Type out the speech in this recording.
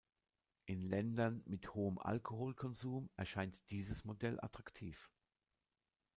In Ländern mit hohem Alkoholkonsum erscheint dieses Modell attraktiv.